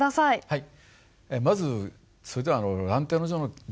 はい。